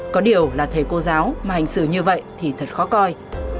có điều là thầy cô giáo mà hành xử như vậy thì thật khó coi